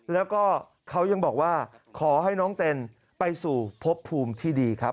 แล้วก็เขายังบอกว่าขอให้น้องเต้นไปสู่พบภูมิที่ดีครับ